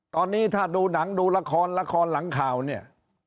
ตอนนี้ถ้าดูหนังดูละครละครหลังข่าวเนี่ย